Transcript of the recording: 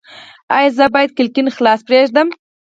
ایا زه باید کړکۍ خلاصه پریږدم؟